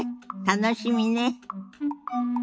楽しみね。